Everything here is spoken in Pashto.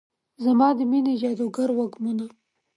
زما د میینې جادوګر وږمونه